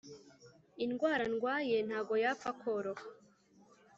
indwara ndwaye ntago yapfa koroha,